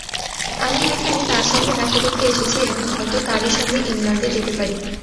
আমি এখানে তাঁর সঙ্গে দেখা করতে এসেছি এবং হয়তো তাঁরই সঙ্গে ইংলণ্ডে যেতে পারি।